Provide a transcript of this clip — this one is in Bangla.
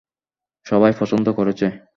সবাই পছন্দ করেছে।